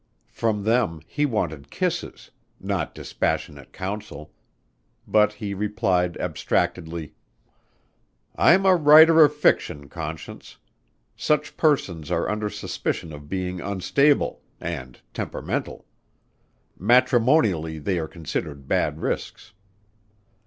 From them he wanted kisses not dispassionate counsel but he replied abstractedly: "I'm a writer of fiction, Conscience. Such persons are under suspicion of being unstable and temperamental. Matrimonially they are considered bad risks."